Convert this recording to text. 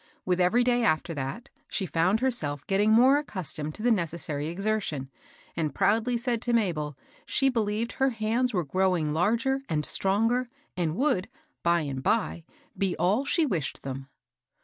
With every day after that, she found herself getting more accustomed to the necessary exertion, and proudly said to Mabel she behoved her hands were growing larger and stronger, and would, by and by, be all she wished them.